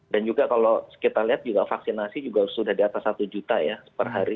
dan juga kalau kita lihat juga vaksinasi sudah di atas satu juta ya per hari